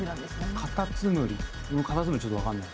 カタツムリカタツムリちょっと分かんないな。